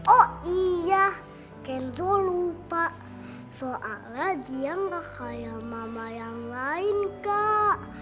oh iya kenzo lupa soalnya dia gak kayak mama yang lain kak